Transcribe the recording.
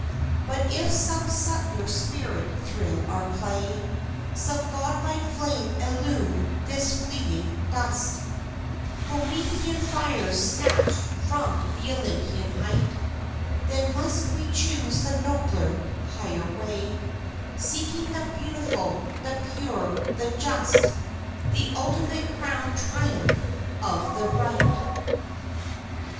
But if some subtler spirit thrill our clay, Some God like flame illume this fleeting dust Promethean fire snatched from the Olympian height Then must we choose the nobler, higher Way, Seeking the Beautiful, the Pure, the Just The ultimate crowned triumph of the Right!